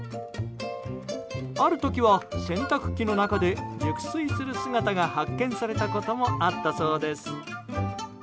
ある時は洗濯機の中で熟睡する姿が発見されたこともあったそうです。